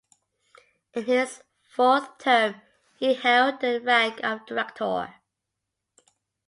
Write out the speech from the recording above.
In his fourth term he held the rank of director.